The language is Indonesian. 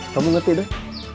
kamu ngerti dong